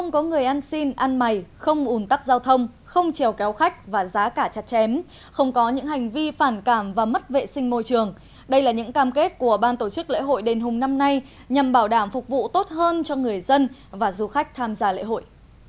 người ăn xin ăn mày không ủn tắc giao thông không trèo kéo khách và giá cả chặt chém không có những hành vi phản cảm và mất vệ sinh môi trường đây là những cam kết của ban tổ chức lễ hội đền hùng năm nay nhằm bảo đảm phục vụ tốt hơn cho người dân và du khách tham gia lễ hội